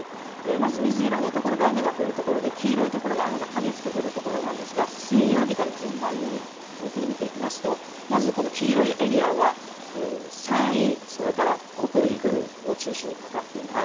まず水色の所が雨が降る所で、黄色い所が雨が激しく降る所なんですが、水曜日から順番にゆっくり見ていきますと、まずこの黄色いエリアは山陰、それから北陸を中心にかかっています。